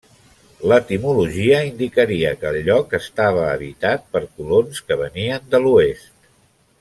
L'etimologia indicaria que el lloc estava habitat per colons que venien de l'oest.